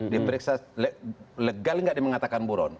diperiksa legal nggak dia mengatakan buron